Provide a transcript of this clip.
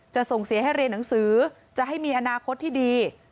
ส่งเสียให้เรียนหนังสือจะให้มีอนาคตที่ดี